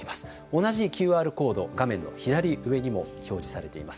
同じＱＲコード画面の左上にも表示されています。